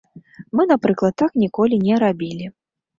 Мы, напрыклад, так ніколі не рабілі.